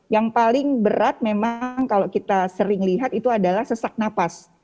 yang paling berat memang kalau kita sering lihat itu adalah sesak napas